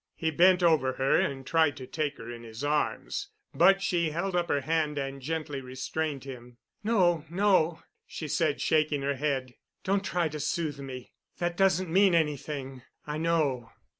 He bent over her and tried to take her in his arms. But she held up her hand and gently restrained him. "No—no," she said shaking her head. "Don't try to soothe me. That doesn't mean anything. I know.